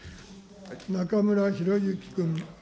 中村裕之君。